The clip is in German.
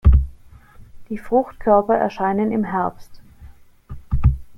Die Fruchtkörper erscheinen im Herbst.